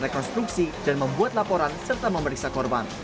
rekonstruksi dan membuat laporan serta memeriksa korban